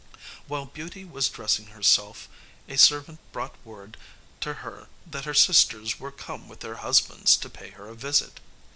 While Beauty was dressing herself a servant brought word to her that her sisters were come with their husbands to pay her a visit.